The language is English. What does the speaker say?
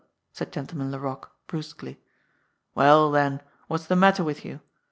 said Gentleman Laroque brusquely. "Well, then, what's the matter with you?